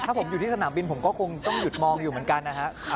ถ้าผมอยู่ที่สนามบินผมก็คงต้องหยุดมองอยู่เหมือนกันนะฮะ